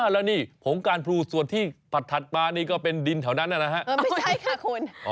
แล้วนี่ผงกาลพรูส่วนที่ผัดถัดมานี่ก็เป็นดินแถวนั้นน่ะนะฮะ